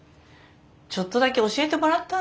ちょっとだけ教えてもらったんだよ